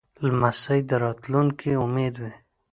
لمسی د راتلونکې امید وي.